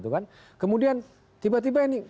kemudian tiba tiba ini